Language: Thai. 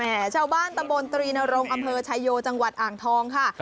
ชาวบ้านตำบลตรีนรงอำเภอชายโยจังหวัดอ่างทองค่ะ